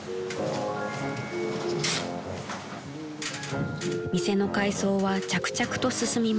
［店の改装は着々と進みます］